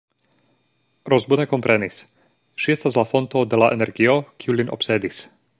Ros bone komprenis, ŝi estas la fonto de la energio, kiu lin obsedis.